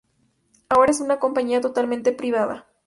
Ahora es una compañía totalmente privada.